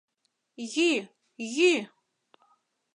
Йӱ-йӱ...